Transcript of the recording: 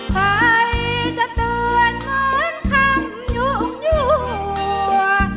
ใครจะเตือนเหมือนคำยุ่งยั่ว